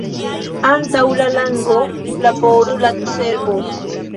Antaŭ la lango laboru la cerbo.